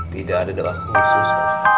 tidak ada doa khusus